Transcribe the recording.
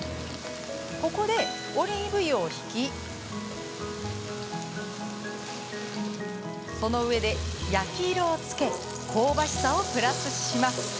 ここで、オリーブ油を引きその上で焼き色をつけ香ばしさをプラスします。